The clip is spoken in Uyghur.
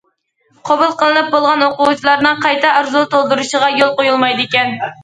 قوبۇل قىلىنىپ بولغان ئوقۇغۇچىلارنىڭ قايتا ئارزۇ تولدۇرۇشىغا يول قويۇلمايدىكەن.